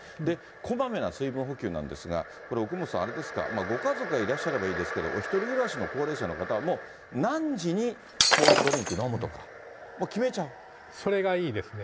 こまめな水分補給なんですが、これ奥元さん、あれですか、ご家族がいらっしゃればいいですけど、お１人暮らしの高齢者の方、何時にスポーツドリンク飲むとか、決それがいいですね。